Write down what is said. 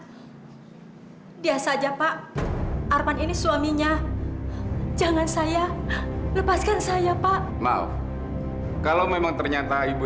hai dia saja pak arman ini suaminya jangan saya lepaskan saya pak mau kalau memang ternyata ibu